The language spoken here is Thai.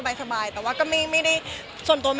ไปถามคนนู้นดีกว่า